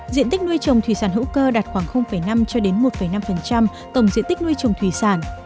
diện tích nuôi trồng thủy sản hữu cơ đạt khoảng năm cho đến một năm tổng diện tích nuôi trồng thủy sản